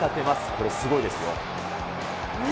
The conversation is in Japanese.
これ、すごいですよ。